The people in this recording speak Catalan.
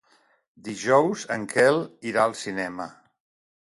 Dijous en Quel irà al cinema.